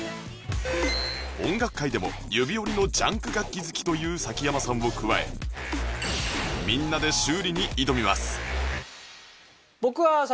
音楽界でも指折りのジャンク楽器好きという崎山さんを加えみんなで修理に挑みます